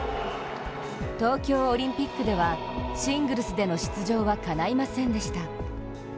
東京オリンピックでは、シングルスでの出場はかないませんでした。